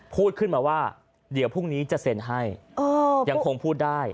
พูดขึ้นมาว่าเดี๋ยวพรุ่งนี้จะเซ็นให้ยังคงพูดได้